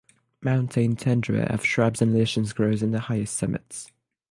Mountain tundra of shrubs and lichens grows in the highest summits.